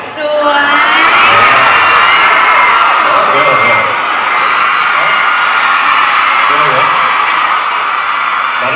สวย